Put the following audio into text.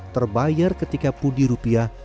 terbayar ketika pudi rupiah